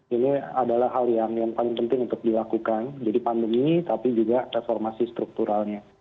ini adalah hal yang paling penting untuk dilakukan jadi pandemi tapi juga reformasi strukturalnya